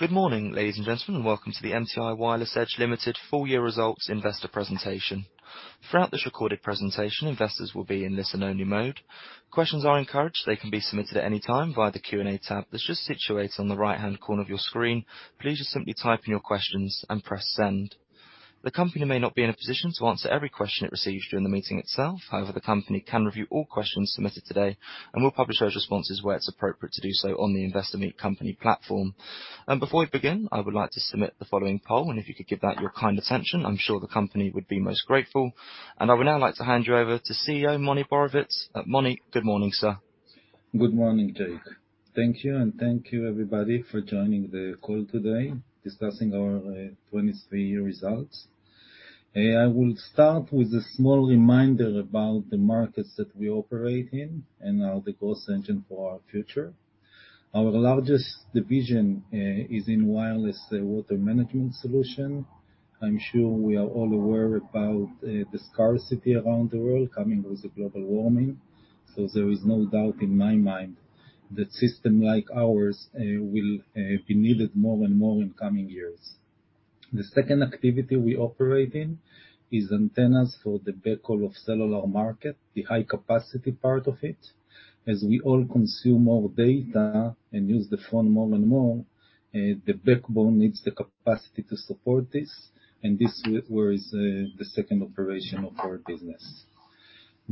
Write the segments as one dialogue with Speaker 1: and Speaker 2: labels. Speaker 1: Good morning, ladies and gentlemen, and welcome to the MTI Wireless Edge Limited full year results investor presentation. Throughout this recorded presentation, investors will be in listen-only mode. Questions are encouraged. They can be submitted at any time via the Q&A tab that's just situated on the right-hand corner of your screen. Please just simply type in your questions and press send. The company may not be in a position to answer every question it receives during the meeting itself. However, the company can review all questions submitted today, and we'll publish those responses where it's appropriate to do so on the Investor Meet Company platform. Before we begin, I would like to submit the following poll, and if you could give that your kind attention, I'm sure the company would be most grateful. I would now like to hand you over to CEO Moni Borovitz at Moni. Good morning, sir.
Speaker 2: Good morning, Jake. Thank you, and thank you, everybody, for joining the call today discussing our 2023 year results. I will start with a small reminder about the markets that we operate in and are the growth engine for our future. Our largest division is in wireless water management solution. I'm sure we are all aware about the scarcity around the world coming with the global warming. So there is no doubt in my mind that systems like ours will be needed more and more in coming years. The second activity we operate in is antennas for the backhaul of cellular market, the high-capacity part of it. As we all consume more data and use the phone more and more, the backbone needs the capacity to support this, and this is where the second operation of our business.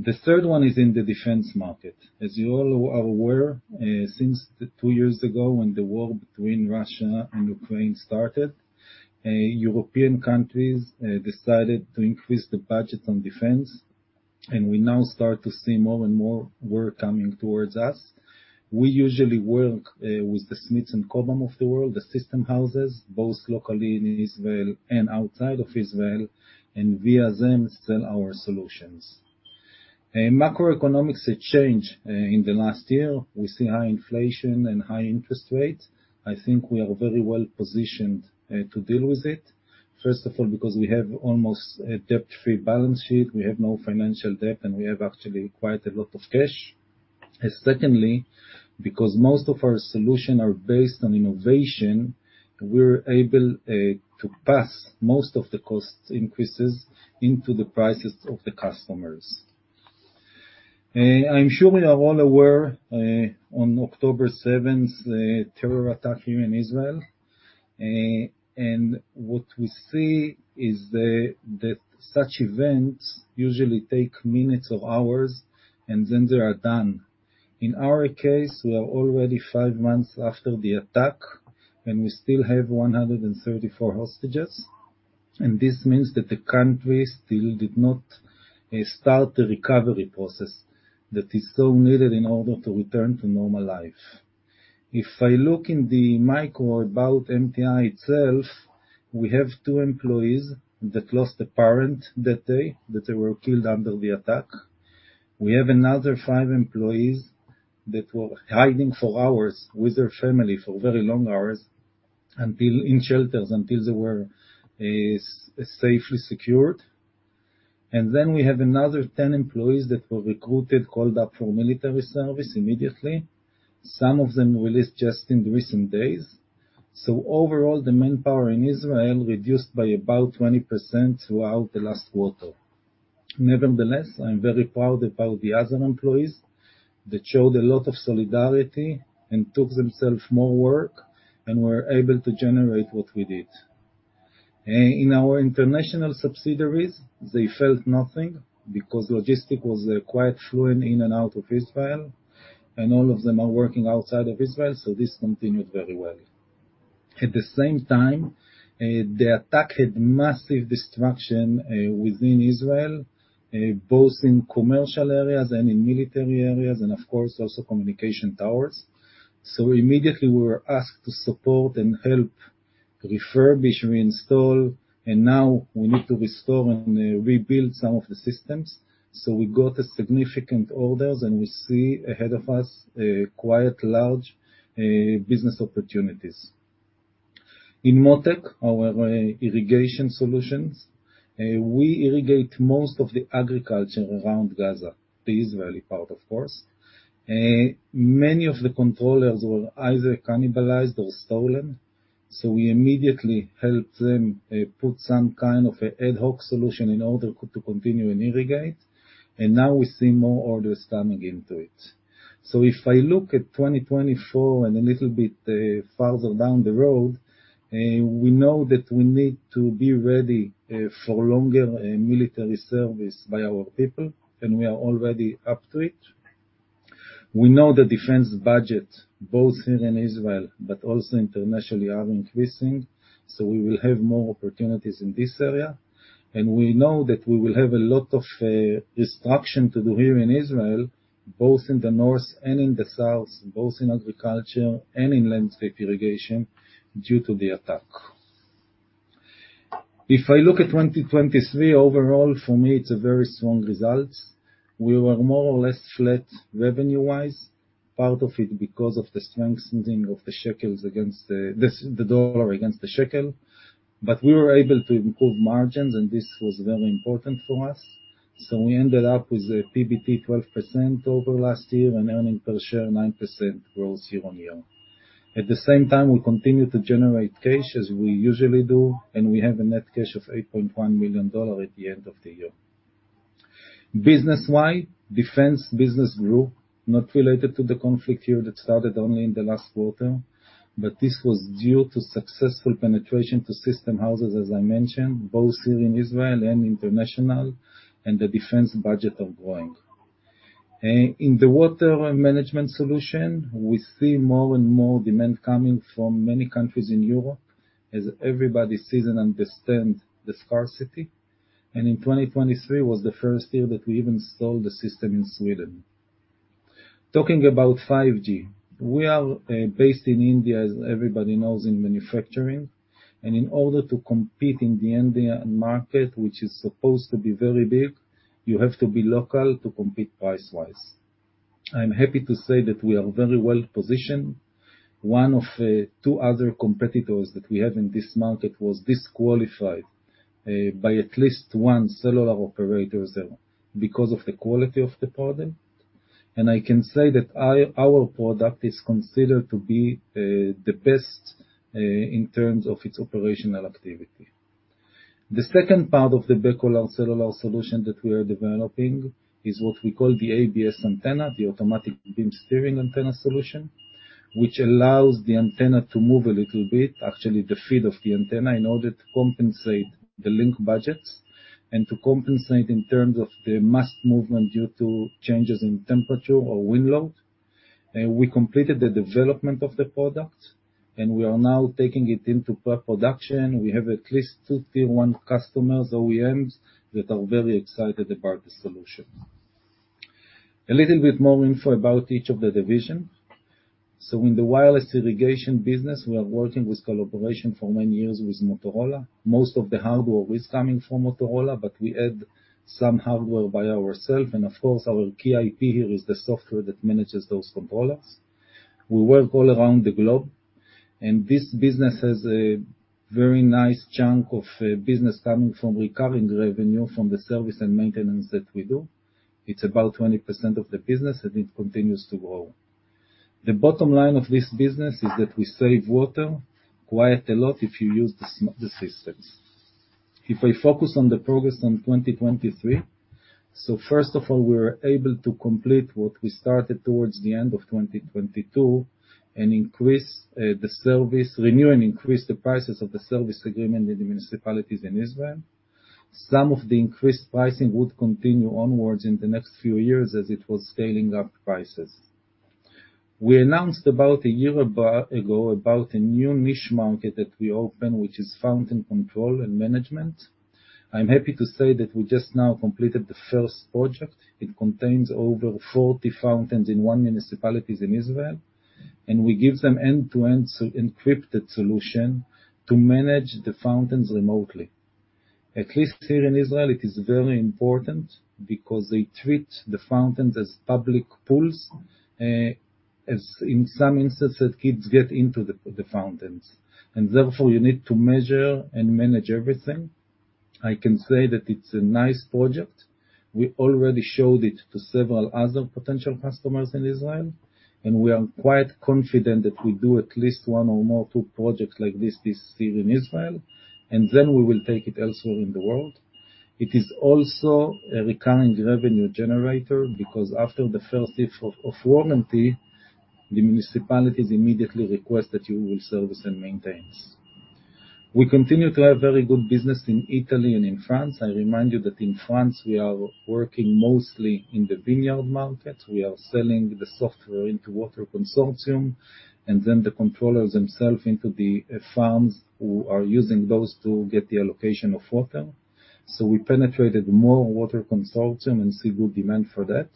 Speaker 2: The third one is in the defense market. As you all are aware, since two years ago when the war between Russia and Ukraine started, European countries decided to increase the budget on defense, and we now start to see more and more work coming towards us. We usually work with the system integrators of the world, the system houses, both locally in Israel and outside of Israel, and via them sell our solutions. Macroeconomics changed in the last year. We see high inflation and high interest rates. I think we are very well positioned to deal with it, first of all because we have almost a debt-free balance sheet. We have no financial debt, and we have actually quite a lot of cash. Secondly, because most of our solutions are based on innovation, we're able to pass most of the cost increases into the prices of the customers. I'm sure we are all aware of the terror attack on October 7th here in Israel. What we see is that such events usually take minutes or hours, and then they are done. In our case, we are already five months after the attack, and we still have 134 hostages. This means that the country still did not start the recovery process that is so needed in order to return to normal life. If I look in the micro about MTI itself, we have two employees that lost a parent that day that they were killed under the attack. We have another five employees that were hiding for hours with their family for very long hours until in shelters until they were safely secured. Then we have another ten employees that were recruited, called up for military service immediately. Some of them released just in recent days. So overall, the manpower in Israel reduced by about 20% throughout the last quarter. Nevertheless, I'm very proud about the other employees that showed a lot of solidarity and took themselves more work and were able to generate what we did. In our international subsidiaries, they felt nothing because logistics was quite fluent in and out of Israel, and all of them are working outside of Israel, so this continued very well. At the same time, the attack had massive destruction within Israel, both in commercial areas and in military areas and, of course, also communication towers. So immediately we were asked to support and help refurbish, reinstall, and now we need to restore and rebuild some of the systems. So we got significant orders, and we see ahead of us quite large business opportunities. In Mottech, our irrigation solutions, we irrigate most of the agriculture around Gaza, the Israeli part, of course. Many of the controllers were either cannibalized or stolen, so we immediately helped them, put some kind of an ad hoc solution in order to continue and irrigate, and now we see more orders coming into it. So if I look at 2024 and a little bit farther down the road, we know that we need to be ready for longer military service by our people, and we are already up to it. We know the defense budget, both here in Israel but also internationally, are increasing, so we will have more opportunities in this area. We know that we will have a lot of reconstruction to do here in Israel, both in the north and in the south, both in agriculture and in landscape irrigation due to the attack. If I look at 2023 overall, for me, it's a very strong result. We were more or less flat revenue-wise, part of it because of the strengthening of the shekel against the dollar. But we were able to improve margins, and this was very important for us. So we ended up with PBT 12% over last year and earnings per share 9% growth year-on-year. At the same time, we continue to generate cash as we usually do, and we have a net cash of $8.1 million at the end of the year. Business-wise, defense business grew, not related to the conflict here that started only in the last quarter, but this was due to successful penetration to system houses, as I mentioned, both here in Israel and international, and the defense budget are growing. In the water management solution, we see more and more demand coming from many countries in Europe as everybody sees and understands the scarcity. And in 2023 was the first year that we even installed the system in Sweden. Talking about 5G, we are, based in India, as everybody knows, in manufacturing. And in order to compete in the Indian market, which is supposed to be very big, you have to be local to compete price-wise. I'm happy to say that we are very well positioned. One of two other competitors that we have in this market was disqualified by at least one cellular operator because of the quality of the product. And I can say that our product is considered to be the best in terms of its operational activity. The second part of the backhaul, our cellular solution that we are developing, is what we call the ABS Antenna, the automatic beam steering antenna solution, which allows the antenna to move a little bit, actually the feed of the antenna, in order to compensate the link budgets and to compensate in terms of the mast movement due to changes in temperature or wind load. We completed the development of the product, and we are now taking it into pre-production. We have at least two tier-one customers, OEMs, that are very excited about the solution. A little bit more info about each of the divisions. So in the wireless irrigation business, we are working with collaboration for many years with Motorola. Most of the hardware is coming from Motorola, but we add some hardware by ourselves. And of course, our key IP here is the software that manages those controllers. We work all around the globe, and this business has a very nice chunk of business coming from recurring revenue from the service and maintenance that we do. It's about 20% of the business, and it continues to grow. The bottom line of this business is that we save water quite a lot if you use the smart systems. If I focus on the progress on 2023, first of all, we were able to complete what we started towards the end of 2022 and increase the service renewal and increase the prices of the service agreement in the municipalities in Israel. Some of the increased pricing would continue onwards in the next few years as it was scaling up prices. We announced about a year ago about a new niche market that we open, which is fountain control and management. I'm happy to say that we just now completed the first project. It contains over 40 fountains in one municipality in Israel, and we give them end-to-end so encrypted solution to manage the fountains remotely. At least here in Israel, it is very important because they treat the fountains as public pools, as in some instances, kids get into the fountains. Therefore, you need to measure and manage everything. I can say that it's a nice project. We already showed it to several other potential customers in Israel, and we are quite confident that we do at least 1 or 2 projects like this year in Israel, and then we will take it elsewhere in the world. It is also a recurring revenue generator because after the first if of warranty, the municipalities immediately request that you will service and maintain. We continue to have very good business in Italy and in France. I remind you that in France, we are working mostly in the vineyard market. We are selling the software into water consortiums and then the controllers themselves into the farms who are using those to get the allocation of water. We penetrated more water consortiums and see good demand for that.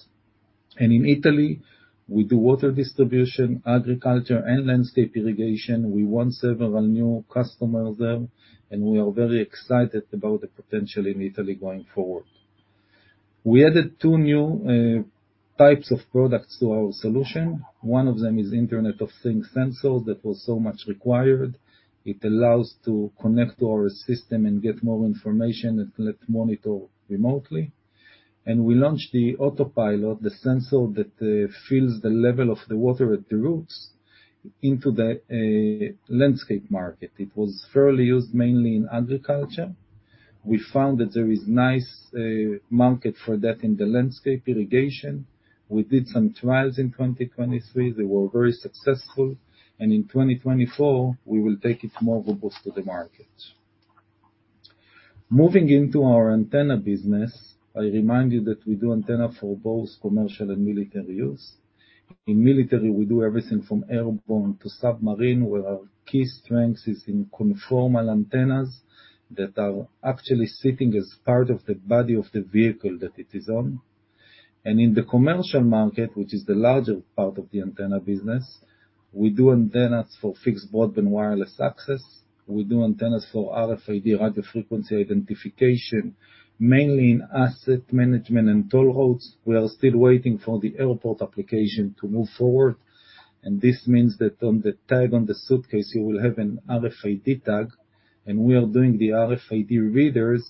Speaker 2: In Italy, we do water distribution, agriculture, and landscape irrigation. We won several new customers there, and we are very excited about the potential in Italy going forward. We added two new types of products to our solution. One of them is Internet of Things sensors that were so much required. It allows to connect to our system and get more information and let monitor remotely. We launched the Autopilot, the sensor that fills the level of the water at the roots into the landscape market. It was fairly used mainly in agriculture. We found that there is a nice market for that in the landscape irrigation. We did some trials in 2023. They were very successful. And in 2024, we will take it more robust to the market. Moving into our antenna business, I remind you that we do antennas for both commercial and military use. In military, we do everything from airborne to submarine, where our key strength is in conformal antennas that are actually sitting as part of the body of the vehicle that it is on. And in the commercial market, which is the larger part of the antenna business, we do antennas for fixed broadband wireless access. We do antennas for RFID radio frequency identification, mainly in asset management and toll roads. We are still waiting for the airport application to move forward, and this means that on the tag on the suitcase, you will have an RFID tag, and we are doing the RFID readers.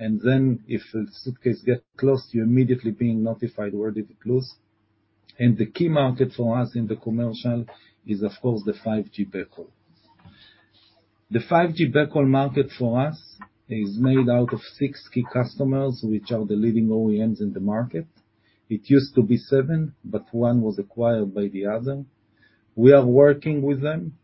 Speaker 2: And then if a suitcase gets lost, you immediately being notified where did it lose. The key market for us in the commercial is, of course, the 5G backhaul. The 5G backhaul market for us is made out of six key customers, which are the leading OEMs in the market. It used to be 7, but one was acquired by the other. We are working with them,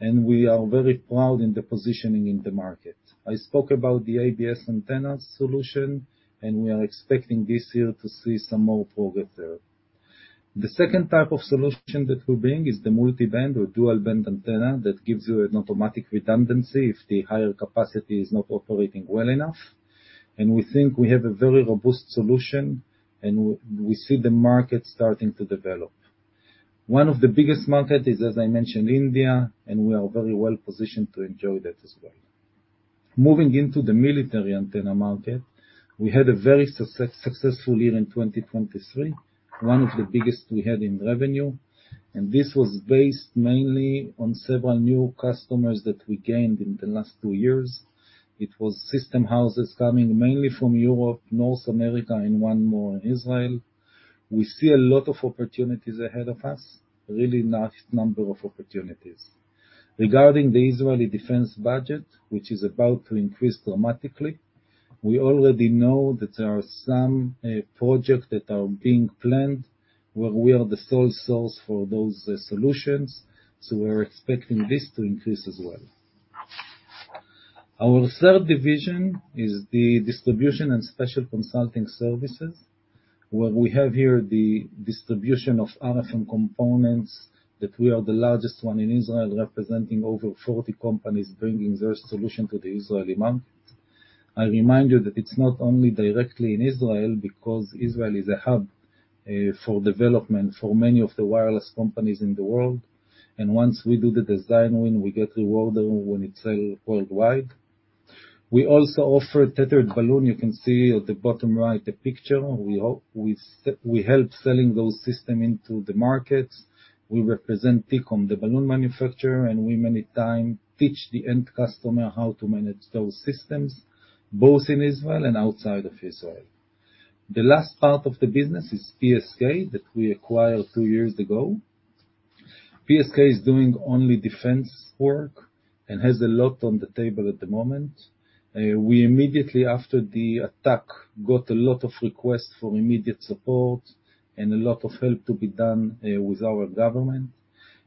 Speaker 2: and we are very proud in the positioning in the market. I spoke about the ABS antenna solution, and we are expecting this year to see some more progress there. The second type of solution that we're bringing is the multiband or dual-band antenna that gives you an automatic redundancy if the higher capacity is not operating well enough. And we think we have a very robust solution, and we, we see the market starting to develop. One of the biggest markets is, as I mentioned, India, and we are very well positioned to enjoy that as well. Moving into the military antenna market, we had a very successful year in 2023, one of the biggest we had in revenue. And this was based mainly on several new customers that we gained in the last two years. It was system houses coming mainly from Europe, North America, and one more in Israel. We see a lot of opportunities ahead of us, really nice number of opportunities. Regarding the Israeli defense budget, which is about to increase dramatically, we already know that there are some projects that are being planned where we are the sole source for those solutions. So we are expecting this to increase as well. Our third division is the distribution and special consulting services, where we have here the distribution of RF/microwave components that we are the largest one in Israel, representing over 40 companies bringing their solution to the Israeli market. I remind you that it's not only directly in Israel because Israel is a hub for development for many of the wireless companies in the world. And once we do the design win, we get rewarded when it sells worldwide. We also offer tethered balloon. You can see at the bottom right a picture. We help selling those systems into the markets. We represent TCOM, the balloon manufacturer, and we many time teach the end customer how to manage those systems, both in Israel and outside of Israel. The last part of the business is PSK that we acquired two years ago. PSK is doing only defense work and has a lot on the table at the moment. We immediately after the attack got a lot of requests for immediate support and a lot of help to be done, with our government.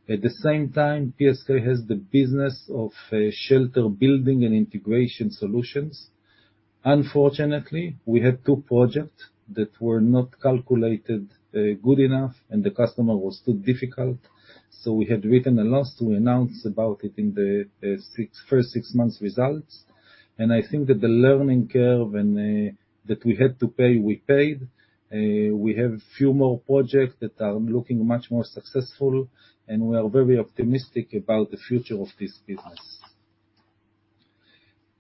Speaker 2: At the same time, PSK has the business of, shelter building and integration solutions. Unfortunately, we had two projects that were not calculated, good enough, and the customer was too difficult. So we had written a loss. We announced about it in the first six months results. And I think that the learning curve and, that we had to pay, we paid. We have few more projects that are looking much more successful, and we are very optimistic about the future of this business.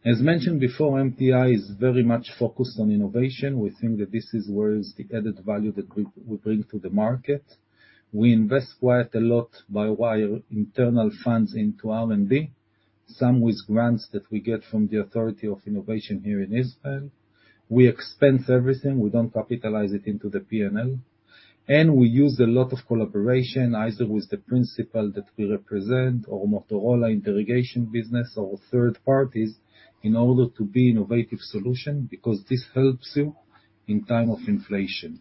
Speaker 2: As mentioned before, MTI is very much focused on innovation. We think that this is where is the added value that bring we bring to the market. We invest quite a lot via our internal funds into R&D, some with grants that we get from the Israel Innovation Authority here in Israel. We expense everything. We don't capitalize it into the P&L. And we use a lot of collaboration, either with the principals that we represent or Motorola irrigation business or third parties, in order to be innovative solution because this helps you in times of inflation.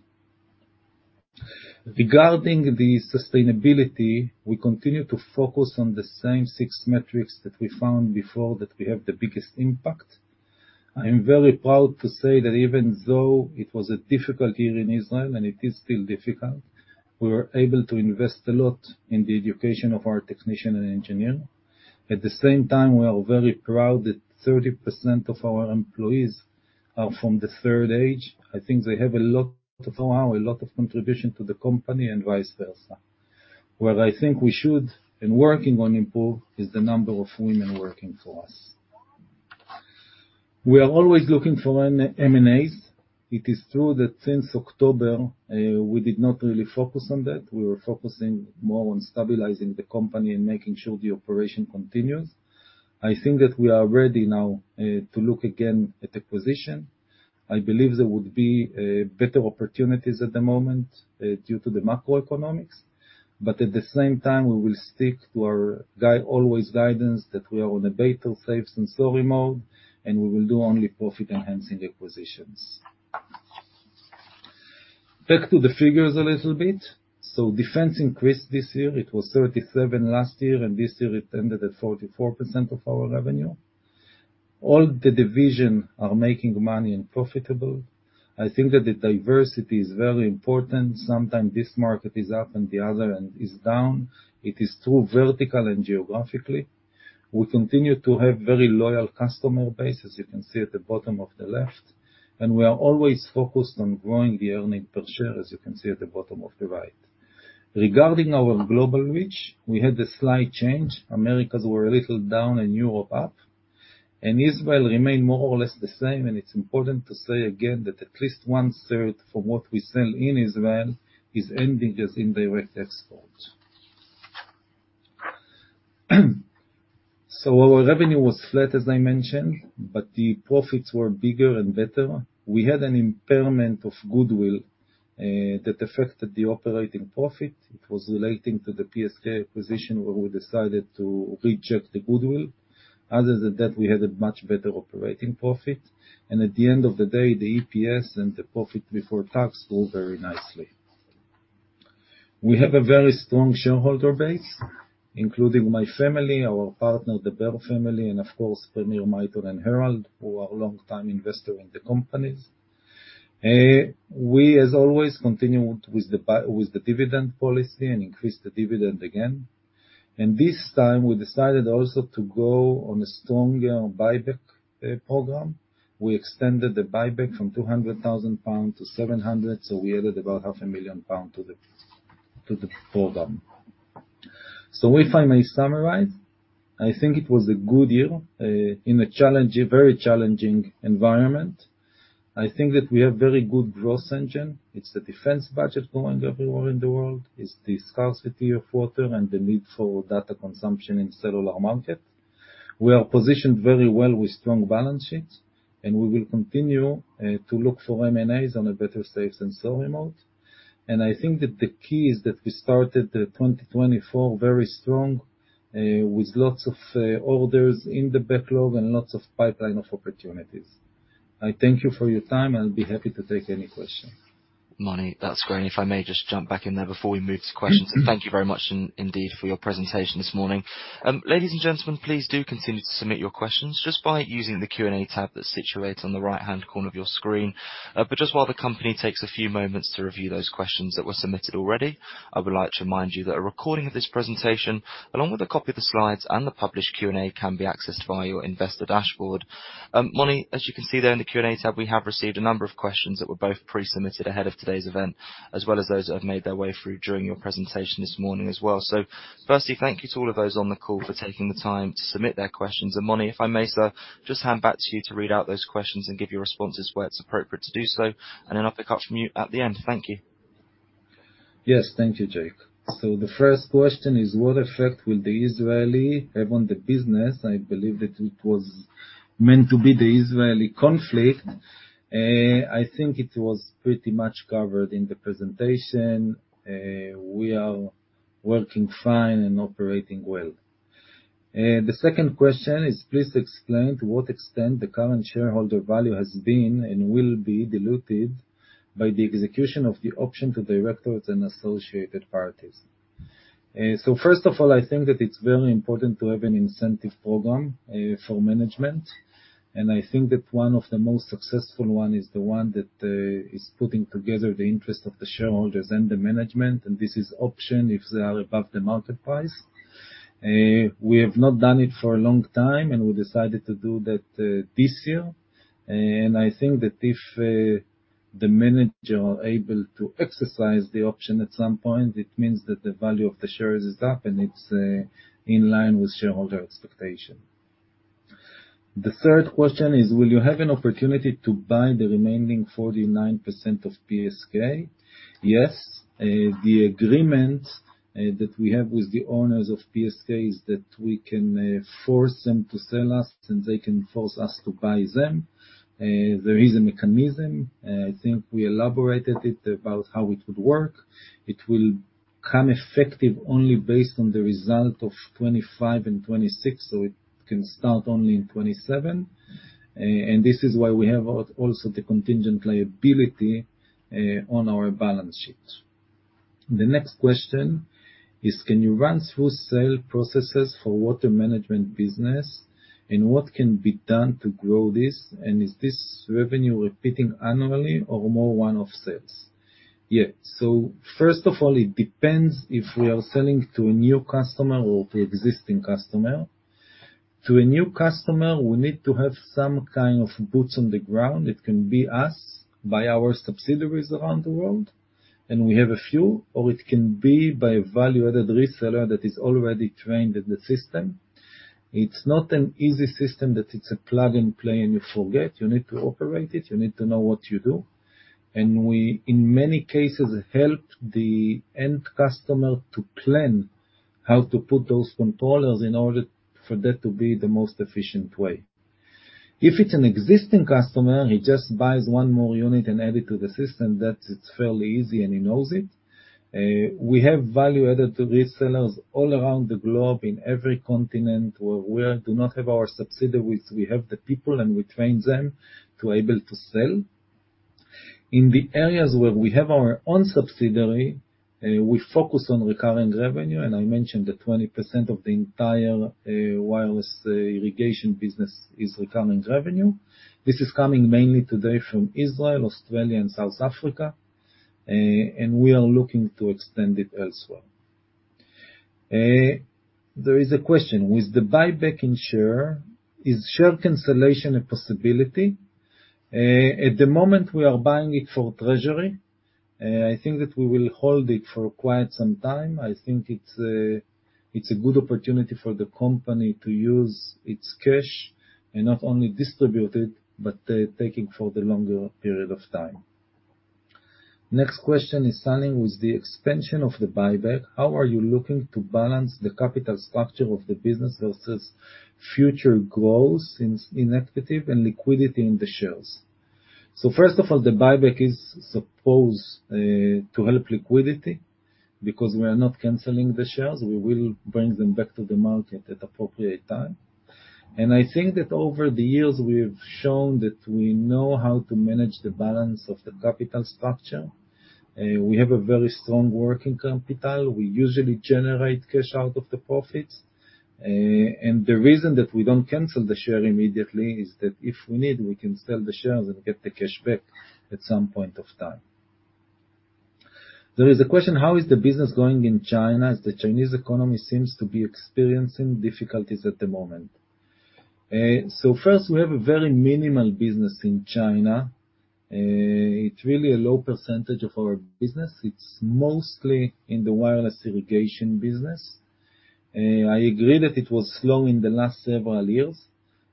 Speaker 2: Regarding the sustainability, we continue to focus on the same six metrics that we found before that we have the biggest impact. I am very proud to say that even though it was a difficult year in Israel, and it is still difficult, we were able to invest a lot in the education of our technician and engineer. At the same time, we are very proud that 30% of our employees are from the third age. I think they have a lot of know-how, a lot of contribution to the company, and vice versa, where I think we should and working on improve is the number of women working for us. We are always looking for M&As. It is true that since October, we did not really focus on that. We were focusing more on stabilizing the company and making sure the operation continues. I think that we are ready now, to look again at acquisition. I believe there would be, better opportunities at the moment, due to the macroeconomics. But at the same time, we will stick to our guidance always, guidance that we are on a better safe than sorry mode, and we will do only profit-enhancing acquisitions. Back to the figures a little bit. So defense increased this year. It was 37% last year, and this year it ended at 44% of our revenue. All the divisions are making money and profitable. I think that the diversity is very important. Sometimes this market is up and the other is down. It is true vertically and geographically. We continue to have very loyal customer base, as you can see at the bottom left. And we are always focused on growing the earnings per share, as you can see at the bottom right. Regarding our global reach, we had a slight change. Americas were a little down and Europe up. Israel remained more or less the same. It's important to say again that at least one-third from what we sell in Israel is ending as indirect export. Our revenue was flat, as I mentioned, but the profits were bigger and better. We had an impairment of goodwill that affected the operating profit. It was relating to the PSK acquisition where we decided to reject the goodwill. Other than that, we had a much better operating profit. At the end of the day, the EPS and the profit before tax grew very nicely. We have a very strong shareholder base, including my family, our partner, the Bear family, and of course, Premier Michael and Harald, who are long-time investors in the companies. We, as always, continued with the dividend policy and increased the dividend again. This time, we decided also to go on a stronger buyback program. We extended the buyback from 200,000 pound to 700,000, so we added about 500,000 pound to the program. So if I may summarize, I think it was a good year in a very challenging environment. I think that we have very good growth engines. It's the defense budget going everywhere in the world, the scarcity of water, and the need for data consumption in cellular market. We are positioned very well with strong balance sheets, and we will continue to look for M&As in a better, safer, saner mode. And I think that the key is that we started 2024 very strong, with lots of orders in the backlog and lots of pipeline of opportunities. I thank you for your time, and I'll be happy to take any questions.
Speaker 1: Moni, that's great. If I may just jump back in there before we move to questions. Thank you very much indeed for your presentation this morning. Ladies and gentlemen, please do continue to submit your questions just by using the Q&A tab that's situated on the right-hand corner of your screen. Just while the company takes a few moments to review those questions that were submitted already, I would like to remind you that a recording of this presentation, along with a copy of the slides and the published Q&A, can be accessed via your investor dashboard. Moni, as you can see there in the Q&A tab, we have received a number of questions that were both pre-submitted ahead of today's event as well as those that have made their way through during your presentation this morning as well. Firstly, thank you to all of those on the call for taking the time to submit their questions. Moni, if I may, sir, just hand back to you to read out those questions and give your responses where it's appropriate to do so. Then I'll pick up from you at the end. Thank you.
Speaker 2: Yes. Thank you, Jake. So the first question is, what effect will the Israeli have on the business? I believe that it was meant to be the Israeli conflict. I think it was pretty much covered in the presentation. We are working fine and operating well. The second question is, please explain to what extent the current shareholder value has been and will be diluted by the execution of the option to directors and associated parties. So first of all, I think that it's very important to have an incentive program for management. And I think that one of the most successful one is the one that is putting together the interest of the shareholders and the management. And this is options if they are above the market price. We have not done it for a long time, and we decided to do that this year. I think that if the managers are able to exercise the option at some point, it means that the value of the shares is up, and it's in line with shareholder expectation. The third question is, will you have an opportunity to buy the remaining 49% of PSK? Yes. The agreement that we have with the owners of PSK is that we can force them to sell us, and they can force us to buy them. There is a mechanism. I think we elaborated it about how it would work. It will become effective only based on the result of 2025 and 2026, so it can start only in 2027. And this is why we have also the contingent liability on our balance sheet. The next question is, can you run through sales processes for water management business, and what can be done to grow this? Is this revenue repeating annually or more one-off sales? Yeah. First of all, it depends if we are selling to a new customer or to existing customer. To a new customer, we need to have some kind of boots on the ground. It can be us by our subsidiaries around the world, and we have a few, or it can be by a value-added reseller that is already trained in the system. It's not an easy system that it's a plug-and-play and you forget. You need to operate it. You need to know what you do. And we, in many cases, help the end customer to plan how to put those controllers in order for that to be the most efficient way. If it's an existing customer, he just buys one more unit and adds it to the system, that it's fairly easy, and he knows it. We have value-added resellers all around the globe in every continent where we do not have our subsidiaries. We have the people, and we train them to be able to sell. In the areas where we have our own subsidiary, we focus on recurring revenue. And I mentioned that 20% of the entire wireless irrigation business is recurring revenue. This is coming mainly today from Israel, Australia, and South Africa, and we are looking to extend it elsewhere. There is a question. With the share buyback, is share cancellation a possibility? At the moment, we are buying it for treasury. I think that we will hold it for quite some time. I think it's a good opportunity for the company to use its cash and not only distribute it but take it for the longer period of time. Next question is, Sunning, with the expansion of the buyback, how are you looking to balance the capital structure of the business versus future growth in its equity and liquidity in the shares? So first of all, the buyback is supposed to help liquidity because we are not canceling the shares. We will bring them back to the market at appropriate time. And I think that over the years, we have shown that we know how to manage the balance of the capital structure. We have a very strong working capital. We usually generate cash out of the profits. And the reason that we don't cancel the share immediately is that if we need, we can sell the shares and get the cash back at some point of time. There is a question: how is the business going in China as the Chinese economy seems to be experiencing difficulties at the moment? So first, we have a very minimal business in China. It's really a low percentage of our business. It's mostly in the wireless irrigation business. I agree that it was slow in the last several years.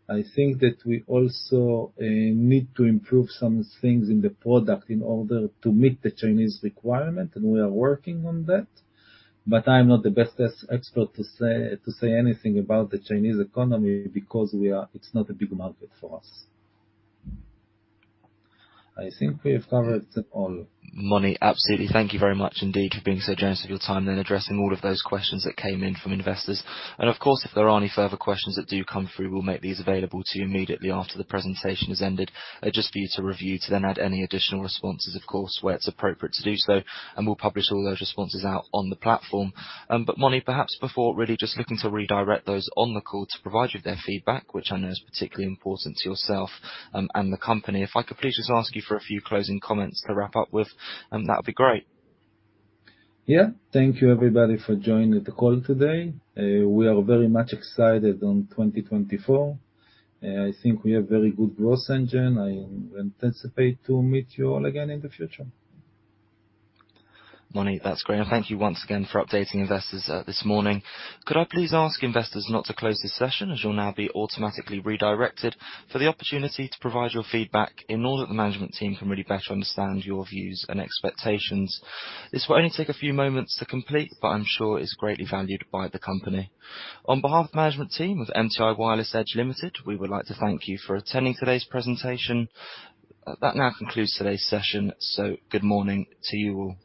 Speaker 2: I think that we also need to improve some things in the product in order to meet the Chinese requirement, and we are working on that. But I am not the best expert to say anything about the Chinese economy because we're, it's not a big market for us. I think we have covered them all.
Speaker 1: Moni, absolutely. Thank you very much, indeed, for being so generous of your time then addressing all of those questions that came in from investors. And of course, if there are any further questions that do come through, we'll make these available to you immediately after the presentation has ended, just for you to review to then add any additional responses, of course, where it's appropriate to do so. And we'll publish all those responses out on the platform. But Moni, perhaps before really just looking to redirect those on the call to provide you with their feedback, which I know is particularly important to yourself, and the company, if I could please just ask you for a few closing comments to wrap up with, that would be great.
Speaker 2: Yeah. Thank you, everybody, for joining the call today. We are very much excited about 2024. I think we have very good growth engine. I anticipate to meet you all again in the future.
Speaker 1: Mani, that's great. Thank you once again for updating investors this morning. Could I please ask investors not to close this session as you'll now be automatically redirected for the opportunity to provide your feedback in order that the management team can really better understand your views and expectations? This will only take a few moments to complete, but I'm sure it's greatly valued by the company. On behalf of the management team of MTI Wireless Edge Limited, we would like to thank you for attending today's presentation. That now concludes today's session. So good morning to you all.